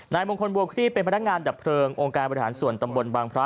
มงคลบัวคลี่เป็นพนักงานดับเพลิงองค์การบริหารส่วนตำบลบางพระ